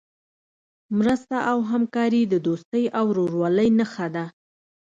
مرسته او همکاري د دوستۍ او ورورولۍ نښه ده.